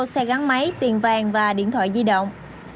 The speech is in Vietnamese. xe gắn máy tiền vàng và điện thoại di động